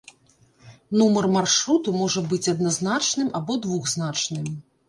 Нумар маршруту можа быць адназначным або двухзначным.